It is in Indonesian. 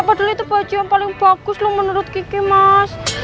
peduli itu baju yang paling bagus loh menurut kiki mas